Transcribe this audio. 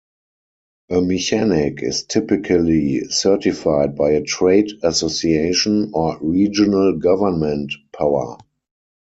A mechanic is typically certified by a trade association or regional government power.